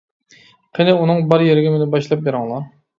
قېنى، ئۇنىڭ بار يېرىگە مېنى باشلاپ بېرىڭلار!